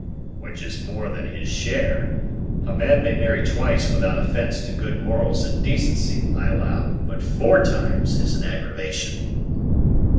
"Which is more than his share. A man may marry twice without offence to good morals and decency, I allow! but four times is an aggravation."